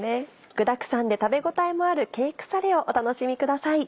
具だくさんで食べ応えもあるケークサレをお楽しみください。